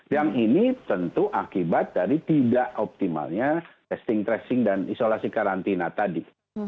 yang ini tentu akibat dari tidak optimalnya testing tracing dan isolasi karantina tadi